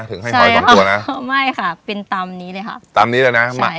ถึงให้หอยตรงตัวน่ะไม่ค่ะเป็นตำนี้เลยค่ะตำนี้เลยน่ะใช่ค่ะ